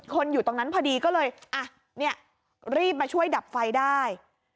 อยู่ตรงนั้นพอดีก็เลยอ่ะรีบมาช่วยดับไฟได้